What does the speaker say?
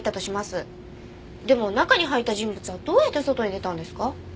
でも中に入った人物はどうやって外に出たんですか？